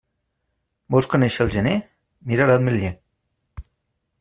Vols conéixer el gener? Mira l'ametler.